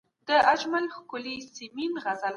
د شاه محمود واکمني د ښه چلند سره پیل شوه.